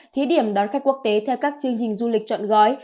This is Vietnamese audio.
thí điểm đón khách quốc tế theo các chương trình du lịch chọn gói